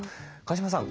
川嶋さん